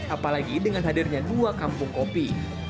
apalagi dengan hadirnya dua kampung kopi